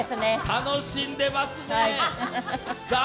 楽しんでますね。